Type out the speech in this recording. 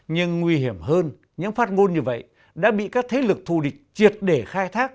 nhưng nguy hiểm hơn những phát ngôn như vậy đã bị các thế lực thù địch triệt để khai thác